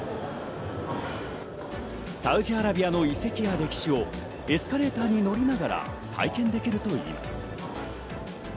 サウジアラビアの遺跡や歴史をエスカレーターに乗りながら体験できるといいます。